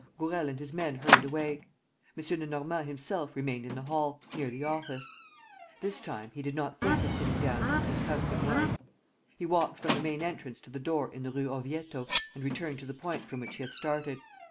Gourel and his men hurried away. M. Lenormand himself remained in the hall, near the office. This time, he did not think of sitting down, as his custom was. He walked from the main entrance to the door in the Rue Orvieto and returned to the point from which he had started.